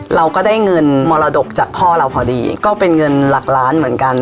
เราก็ได้เงินมรดกจากพ่อเราพอดีก็เป็นเงินหลักล้านเหมือนกัน